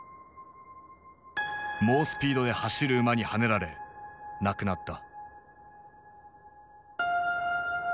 猛スピードで走る馬にはねられ亡くなった。